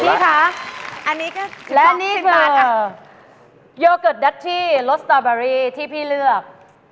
พี่คะและนี่คือโยเกิร์ตดัชที่รสสตาร์เบอร์รี่ที่พี่เลือก